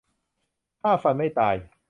ฆ่าฟันไม่ตาย